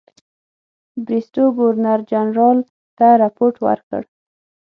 بریسټو ګورنرجنرال ته رپوټ ورکړ.